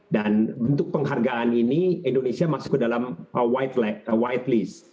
dan untuk penghargaan ini indonesia masuk ke dalam white list